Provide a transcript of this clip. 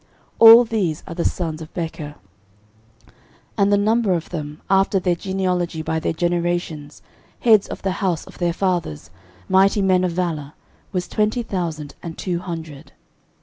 All these are the sons of Becher. 13:007:009 And the number of them, after their genealogy by their generations, heads of the house of their fathers, mighty men of valour, was twenty thousand and two hundred.